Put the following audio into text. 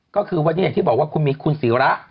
ก็คือวันนี้อย่างที่บอกว่าคุณมีคุณศิระ